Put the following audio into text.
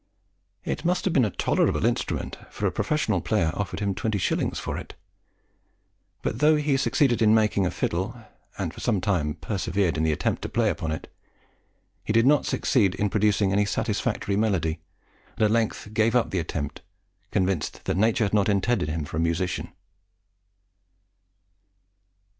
It must have been a tolerable instrument, for a professional player offered him 20s. for it. But though he succeeded in making a fiddle, and for some time persevered in the attempt to play upon it, he did not succeed in producing any satisfactory melody, and at length gave up the attempt, convinced that nature had not intended him for a musician.